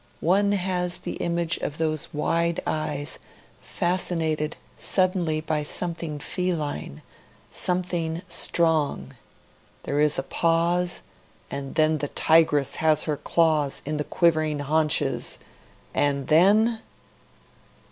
One has the image of those wide eyes fascinated suddenly by something feline, something strong; there is a pause; and then the tigress has her claws in the quivering haunches; and then